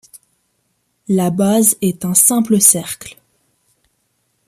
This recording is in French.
La base est un simple cercle.